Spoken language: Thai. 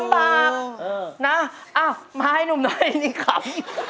มันจดไม่ได้คอยถ่ายไปแบบ